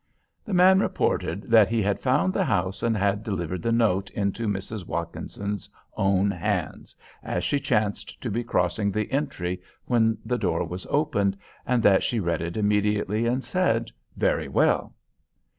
The man reported that he had found the house, and had delivered the note into Mrs. Watkinson's own hands, as she chanced to be crossing the entry when the door was opened; and that she read it immediately, and said "Very well."